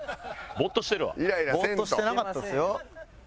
ボーッとしてなかったですよ。